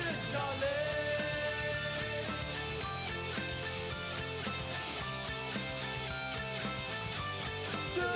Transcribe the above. โอ้โหไม่พลาดกับธนาคมโดโด้แดงเขาสร้างแบบนี้